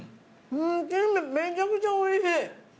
めちゃくちゃおいしい。